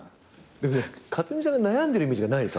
克実さんが悩んでるイメージがないです